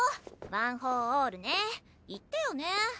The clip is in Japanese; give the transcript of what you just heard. ワン・フォー・オールね言ってよね。